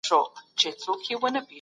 د صنايعو بڼه د وخت سره څنګه بدله سوه؟